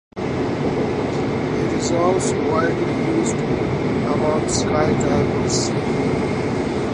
It is also widely used among skydivers.